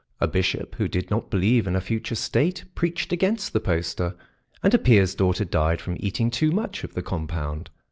A bishop who did not believe in a future state preached against the poster, and a peer's daughter died from eating too much of the compound.